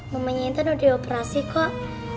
mamanya intan udah di operasi kok